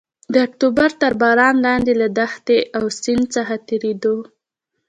د اکتوبر تر باران لاندې له دښتې او سیند څخه تېرېدو.